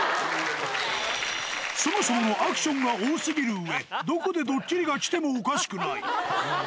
そもそものアクションが多すぎるうえ、どこでドッキリが来てもおかしくない。